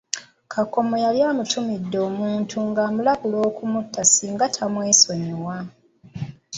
Kakomo yali amutumidde omuntu ng'amulabula okumutta singa tamwesonyiwa.